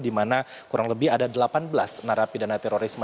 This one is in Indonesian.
di mana kurang lebih ada delapan belas narapidana terorisme